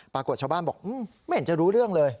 ปรากฏชาวบ้านบอกไม่เห็นจะรู้เรื่องเลย